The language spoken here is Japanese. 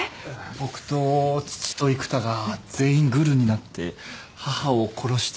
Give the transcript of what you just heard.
僕と父と育田が全員グルになって母を殺して。